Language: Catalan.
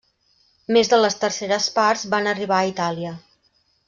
Més de les terceres parts van arribar a Itàlia.